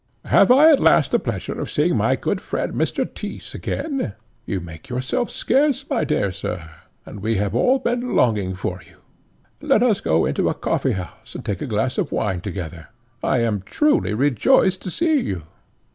"Have I at last the pleasure of seeing my good friend Mr. Tyss again? You make yourself scarce, my dear sir, and we have all been longing for you. Let us go into a coffeehouse, and take a glass of wine together. I am truly rejoiced to see you."